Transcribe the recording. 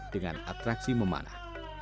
dengan atraksi memanah